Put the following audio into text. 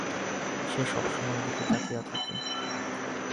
সে সবসময় এদিকে তাকিয়ে থাকে।